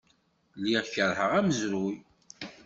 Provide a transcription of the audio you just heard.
Lliɣ keṛheɣ amezruy.